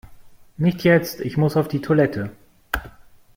Nicht jetzt, ich muss auf die Toilette!